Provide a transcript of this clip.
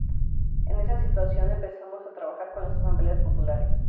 En esa situación empezamos a trabajar con las asambleas populares.